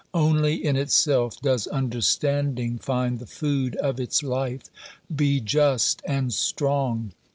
Only in itself does understanding find the food of its life : be just and strong.